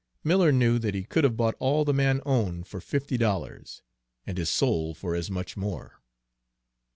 Miller knew that he could have bought all the man owned for fifty dollars, and his soul for as much more.